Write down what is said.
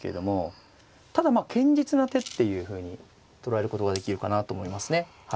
ただまあ堅実な手っていうふうに捉えることができるかなと思いますね。